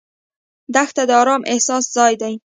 دښته د ارام احساس ځای ده.